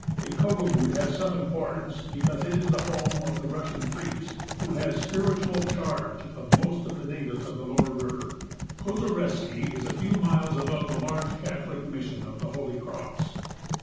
Ikogumut has some importance because it is the home of the Russian priest who has spiritual charge of most of the natives of the lower river. Kozerehhski is a few miles above the large Catholic mission of the Holy Cross.